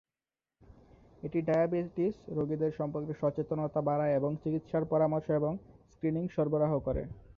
এটি ডায়াবেটিস রোগীদের সম্পর্কে সচেতনতা বাড়ায় এবং চিকিৎসার পরামর্শ এবং স্ক্রিনিং সরবরাহ করে।